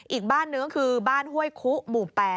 อีกบ้านนึงก็คือบ้านห้วยคุหมู่๘